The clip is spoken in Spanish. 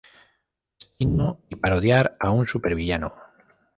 Destino y parodiar a un supervillano.